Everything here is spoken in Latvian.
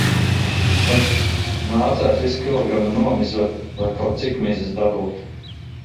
Eh... Nācās visu kilogramu nomizot, lai kaut cik mizas dabūtu.